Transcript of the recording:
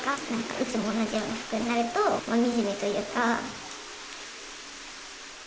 いつも同じような服になると惨めというか。